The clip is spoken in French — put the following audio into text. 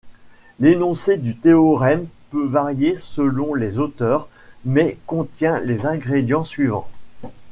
L'énoncé du théorème peut varier selon les auteurs mais contient les ingrédients suivants.